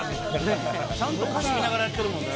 ちゃんと歌詞見ながらやってるもんね